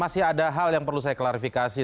masih ada hal yang perlu saya klarifikasi